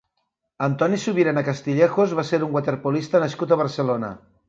Antoni Subirana Castillejos va ser un waterpolista nascut a Barcelona.